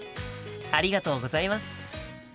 ありがとうございます。